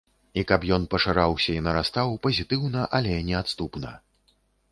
І каб ён пашыраўся і нарастаў, пазітыўна, але неадступна.